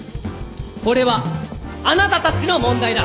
これはあなたたちの問題だ！